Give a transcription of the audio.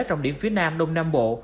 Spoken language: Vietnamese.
trọng điểm phía nam đông nam bộ